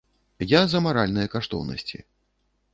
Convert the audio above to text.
Я за маральныя каштоўнасці.